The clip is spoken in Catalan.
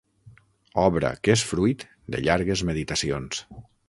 Obra que és fruit de llargues meditacions.